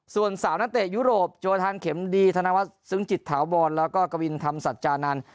ส่วน๓นักเตะยุโรปโจทานเข็มดีธนวัฒนซึ้งจิตถาวรแล้วก็กวินธรรมสัจจานันทร์